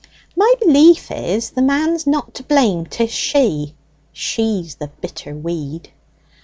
"My belief is the man's not to blame; 'tis she she's the bitter weed!"